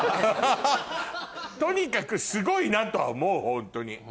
とにかくすごいなとは思うホントに。